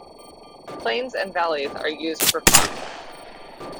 Plains and valleys are used for farming.